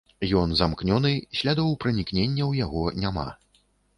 Ён замкнёны, слядоў пранікнення ў яго няма.